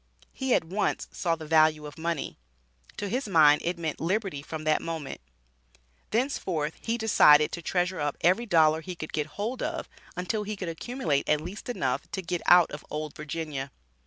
He at once saw the value of money. To his mind it meant liberty from that moment. Thenceforth he decided to treasure up every dollar he could get hold of until he could accumulate at least enough to get out of "Old Virginia."